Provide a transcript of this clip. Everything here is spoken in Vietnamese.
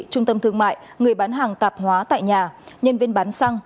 trung tâm thương mại người bán hàng tạp hóa tại nhà nhân viên bán xăng